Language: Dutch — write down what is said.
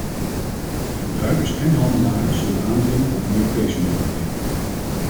Gebruikers en handelaren zullen aandringen op meer keuzemogelijkheden.